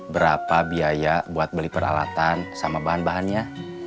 berapa biaya buat beli peralatan sama bahan bahannya